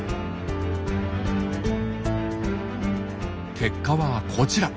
結果はこちら。